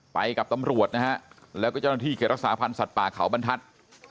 ไปกับตำรวจนะฮะแล้วก็เจ้าหน้าที่เขตรักษาพันธ์สัตว์ป่าเขาบรรทัศน์